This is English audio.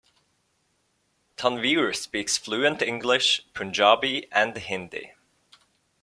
Tanveer speaks fluent English, Punjabi and Hindi.